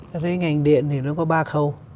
tôi thấy ngành điện thì nó có ba khâu